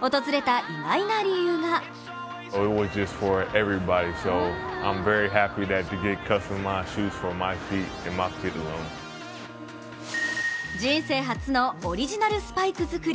訪れた意外な理由が人生初のオリジナルスパイク作り。